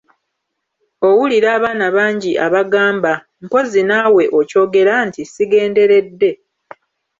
Owulira abaana bangi abagamba, mpozzi naawe okyogera, nti: "Sigenderedde".